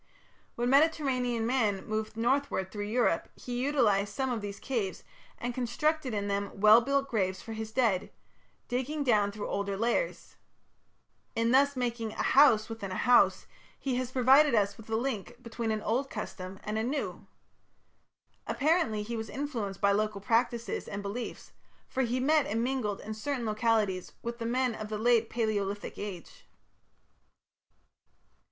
When Mediterranean man moved northward through Europe, he utilized some of these caves, and constructed in them well built graves for his dead, digging down through older layers. In thus making a "house" within a "house", he has provided us with a link between an old custom and a new. Apparently he was influenced by local practices and beliefs, for he met and mingled in certain localities with the men of the Late Palaeolithic Age.